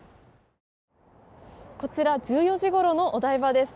こちら１４時ごろのお台場です。